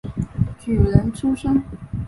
举人出身。